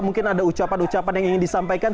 mungkin ada ucapan ucapan yang ingin disampaikan